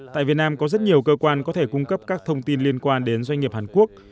tại việt nam có rất nhiều cơ quan có thể cung cấp các thông tin liên quan đến doanh nghiệp hàn quốc